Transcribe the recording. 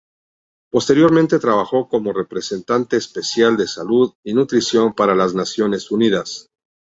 Posteriormente trabajó como Representante Especial de Salud y Nutrición para las Naciones Unidas.